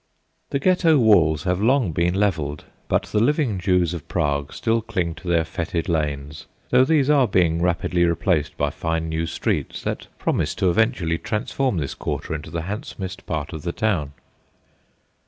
The Ghetto walls have long been levelled, but the living Jews of Prague still cling to their foetid lanes, though these are being rapidly replaced by fine new streets that promise to eventually transform this quarter into the handsomest part of the town.